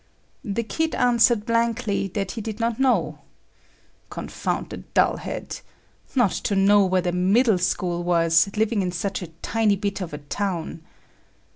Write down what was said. The kid answered blankly that he did not know. Confound the dull head! Not to know where the middle school was, living in such a tiny bit of a town.